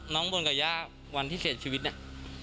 น้องบ่นกับย่าวันที่เสียชีวิตนี่